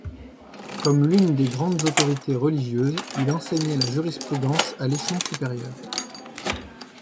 Comme l'une des grandes autorités religieuses, il enseignait la jurisprudence à l'échelon supérieur.